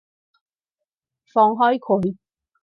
放開佢！